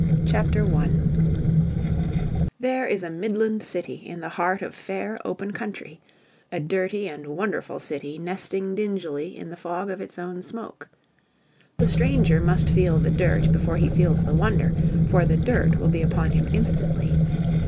CHAPTER I There is a midland city in the heart of fair, open country, a dirty and wonderful city nesting dingily in the fog of its own smoke. The stranger must feel the dirt before he feels the wonder, for the dirt will be upon him instantly.